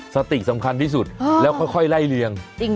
สติสำคัญที่สุดแล้วค่อยไล่เลียง